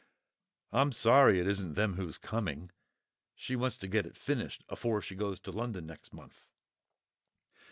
I'm sorry it isn't them who's coming. She wants to get it finished afore she goes to London next month."